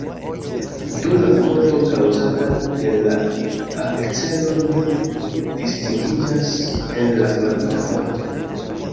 Do la forto kaŭzata de la akcelo ne distingiĝas el la gravita forto.